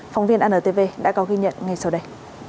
phóng viên antv đã có ghi nhận ngay sau đây